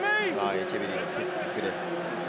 エチェベリーのキックです。